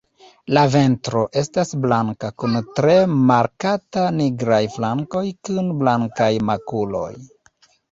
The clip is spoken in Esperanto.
La ventro estas blanka kun tre markata nigraj flankoj kun blankaj makuloj.